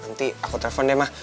nanti aku telepon deh mah